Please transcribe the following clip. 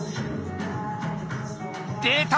出た！